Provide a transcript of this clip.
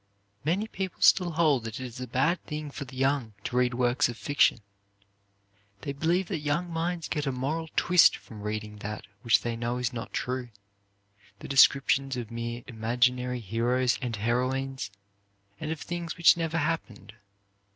Many people still hold that it is a bad thing for the young to read works of fiction. They believe that young minds get a moral twist from reading that which they know is not true, the descriptions of mere imaginary heroes and heroines, and of things which never happened.